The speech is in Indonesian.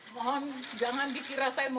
mohon jangan dikira saya mau